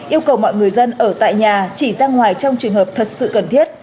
yêu cầu mọi người dân ở tại nhà chỉ ra ngoài trong trường hợp thật sự cần thiết